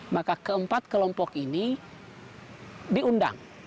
maka keempat kelompok ini diundang